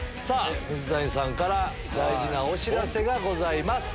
水谷さんから大事なお知らせがございます。